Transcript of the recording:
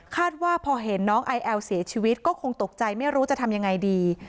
ว่าพอเห็นน้องไอแอลเสียชีวิตก็คงตกใจไม่รู้จะทำยังไงดี